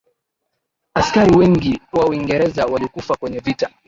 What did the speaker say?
askari wengi wa uingereza walikufa kwenye vita